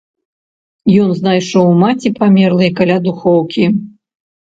Ён знайшоў маці памерлай каля духоўкі.